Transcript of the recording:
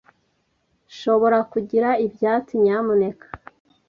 Nshobora kugira ibyatsi, nyamuneka?